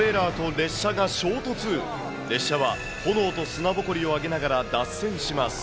列車は炎と砂ぼこりを上げながら脱線します。